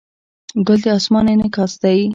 ګل د اسمان انعکاس دی.